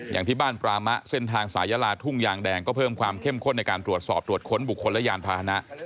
อย่างที่บ้านปรามะเส้นทางสายลาทุ่งยางแดงก็เพิ่มความเข้มข้นในการตรวจสอบตรวจค้นบุคคลและยานพาหนะ